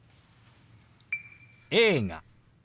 「映画」。